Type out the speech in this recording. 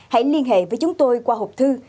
hãy liên hệ với chúng tôi qua hộp thư